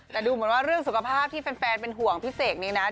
แต่ดูเหมือนว่าเรื่องสุขภาพที่แฟนเป็นห่วงพี่เสกนี้นะ